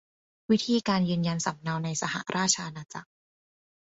วิธีการยืนยันสำเนาในสหราชอาณาจักร